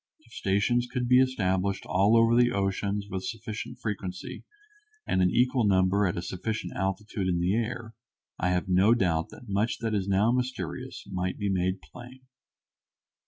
If stations could be established all over the oceans with sufficient frequency, and an equal number at a sufficient altitude in the air, I have no doubt that much that is now mysterious might be made plain.